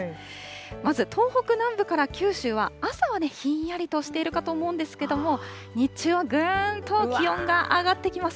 まず東北南部から九州は、朝はひんやりとしているかと思うんですけども、日中はぐーんと気温が上がってきます。